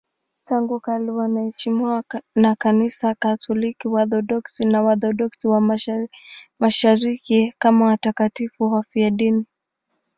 Tangu kale wanaheshimiwa na Kanisa Katoliki, Waorthodoksi na Waorthodoksi wa Mashariki kama watakatifu wafiadini.